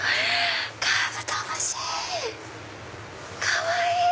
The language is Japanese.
かわいい！